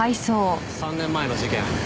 ３年前の事件